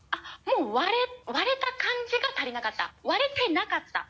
割れた感じが足りなかった割れてなかった。